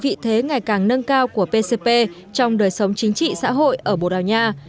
vị thế ngày càng nâng cao của pcp trong đời sống chính trị xã hội ở bồ đào nha